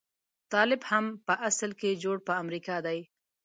طالب هم په اصل کې جوړ په امريکا دی.